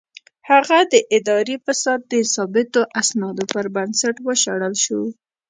هغه د اداري فساد د ثابتو اسنادو پر بنسټ وشړل شو.